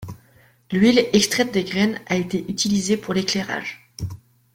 L'huile extraite des graines a été utilisée pour l'éclairage.